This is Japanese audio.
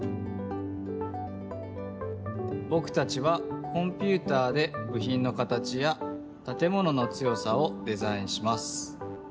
ぼくたちはコンピューターでぶひんの形やたてものの強さをデザインします。